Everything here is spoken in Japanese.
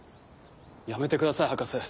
やめてください博士。